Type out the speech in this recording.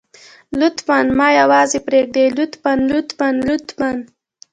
لطفاً ما يوازې پرېږدئ لطفاً لطفاً لطفاً.